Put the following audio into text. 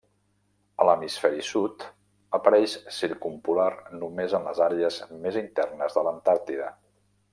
A l'hemisferi sud apareix circumpolar només en les àrees més internes de l'Antàrtida.